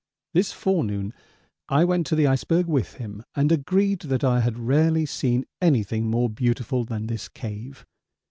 This fore noon I went to the iceberg with him and agreed that I had rarely seen anything more beautiful than this cave.